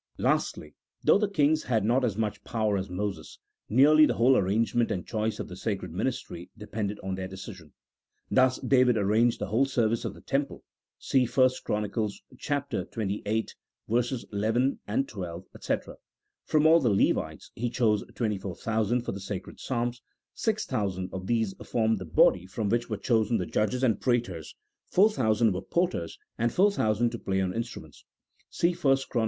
Lastly, though the kings had not as much power as Moses, nearly the whole arrangement and choice of the sacred ministry depended on their decision. Thus David arranged the whole service of the Temple (see 1 Chron. xxviii. 11, 12, &c.) ; from all the Levites he chose twenty four thousand for the sacred psalms ; six thou sand of these formed the body from which were chosen the judges and praetors, four thousand were porters, and four thousand to play on instruments (see 1 Chron.